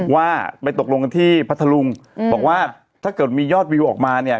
ว่าไปตกลงกันที่พัทธลุงบอกว่าถ้าเกิดมียอดวิวออกมาเนี่ย